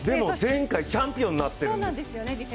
前回チャンピオンになっている。